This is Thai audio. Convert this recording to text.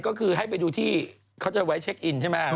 ก็คือให้ไปดูที่เขาจะไว้เช็คอินใช่ไหม